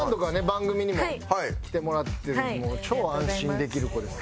番組にも来てもらってるもう超安心できる子です。